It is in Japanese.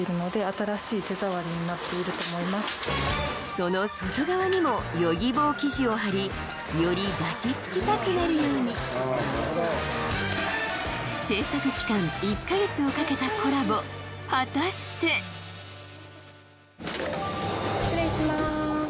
その外側にもＹｏｇｉｂｏ生地をはりより抱きつきたくなるように製作期間１か月をかけたコラボ果たして失礼します